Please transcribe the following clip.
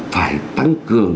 phải tăng cường